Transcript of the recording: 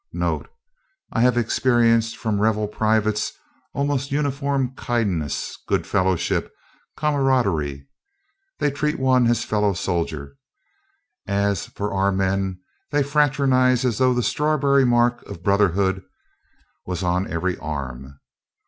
Note: I have experienced from rebel privates almost uniform kindness, good fellowship, camaraderie; they treat one as fellow soldier. And as for our men, they fraternize as though the strawberry mark of brotherhood was on every arm.